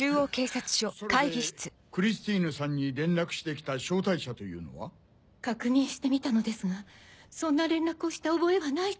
それでクリスティーヌさんに連絡してきた招待者というのは？確認してみたのですがそんな連絡をした覚えはないと。